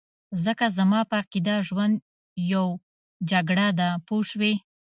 ځکه زما په عقیده ژوند یو جګړه ده پوه شوې!.